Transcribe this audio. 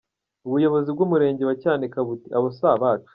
Ubuyobozi bw’umurenge wa Cyanika buti "Abo si abacu".